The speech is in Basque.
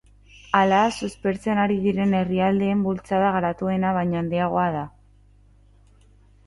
Hala, suspertzen ari diren herrialdeen bultzada garatuena baino handiagoa da.